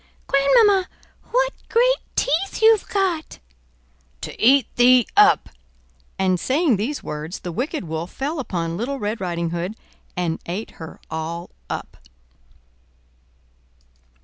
"Grandmamma, what great teeth you've got!" "To eat thee up!" And saying these words, the wicked Wolf fell upon Little Red Riding Hood and ate her all up.